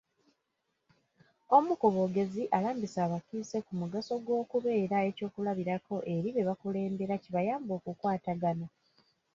Omu ku boogezi, alambise abakiise ku mugaso gw'okubeera eky'okulabirako eri bebakulembera kibayambe okukwatagana.